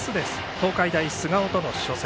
東海大菅生との初戦。